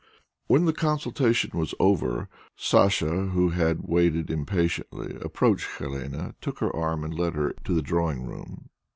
When the consultation was over, Sacha, who had waited impatiently, approached Helene, took her arm, and led her to the drawing room.